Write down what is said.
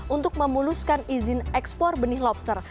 untuk memuluskan izin ekspor benih lobster